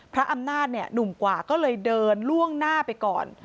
พระอำนาจเนี่ยหนุ่มกว่าก็เลยเดินล่วงหน้าไปก่อน